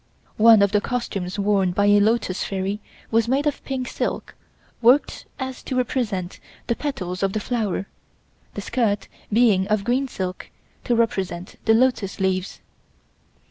One of the costumes worn by a lotus fairy was made of pink silk, worked so as to represent the petals of the flower, the skirt being of green silk to represent the lotus leaves.